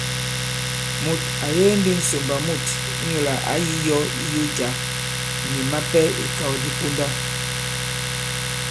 Mùt à yege ndī ŋsòmbà mût inyūlà ǎ yī yō iyo jǎ, nì mapɛ ìkàw di ponda.